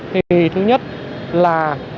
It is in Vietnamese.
thì thứ nhất là